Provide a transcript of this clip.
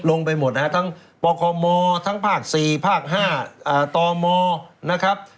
ลงไปหมดครับทั้งปมทั้งภ๔ภ๕ตมนะครับ